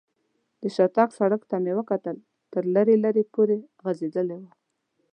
د شاتګ سړک ته مې وکتل، تر لرې لرې پورې غځېدلی و.